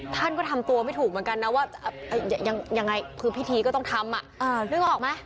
ท่านก็ทำตัวไม่ถูกเหมือนกันว่ายังไงพฤทธิก็ต้องทำ